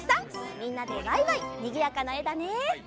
みんなでワイワイにぎやかなえだね。